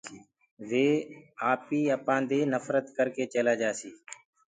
وي آپيٚ اپانٚ دي نڦرت ڪرڪي چيلآ جآسيٚ